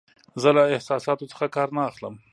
زه له احساساتو څخه کار نه اخلم.